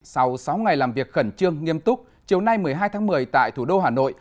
sau sáu ngày làm việc khẩn trương nghiêm túc chiều nay một mươi hai tháng một mươi tại thủ đô hà nội